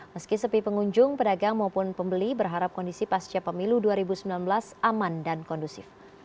meski sepi pengunjung pedagang maupun pembeli berharap kondisi pasca pemilu dua ribu sembilan belas aman dan kondusif